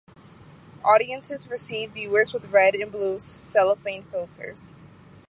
Audiences received viewers with red and blue cellophane filters.